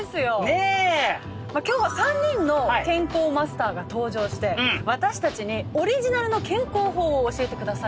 今日は３人の健康マスターが登場して私たちにオリジナルの健康法を教えてくださるようなんです。